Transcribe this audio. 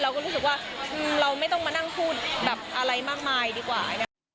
เราก็รู้สึกว่าเราไม่ต้องมานั่งพูดแบบอะไรมากมายดีกว่า